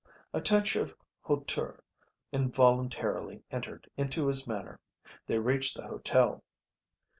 A touch of hauteur involuntarily entered into his manner. They reached the hotel.